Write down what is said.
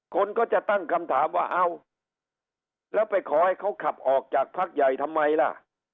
คนก็จะตั้งคำถามว่าเอ้าแล้วไปขอให้เขาขับออกจากพักใหญ่ทำไมล่ะ